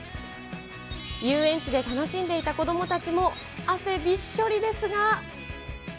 遊園地で楽しんでいた子どもたちも汗びっしょりですが。